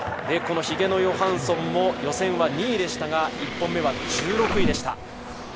ひげのヨハンソンも予選は２位でしたが、１本目は１６位でした。